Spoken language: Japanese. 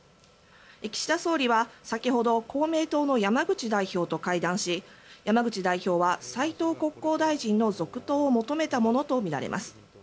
岸田総理は先ほど公明党の山口代表と会談し山口代表は斉藤国交大臣の続投を求めたものとみられます。